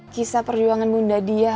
kisah perjuangan bunda diah